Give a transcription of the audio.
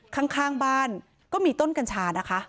ข้างบ้านก็มีต้นกัญชานะคะ